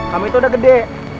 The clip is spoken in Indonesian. kami tuh udah gede